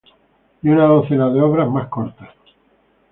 Y una docena de obras más cortas.